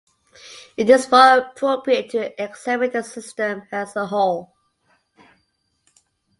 It is more appropriate to examine the system as a whole.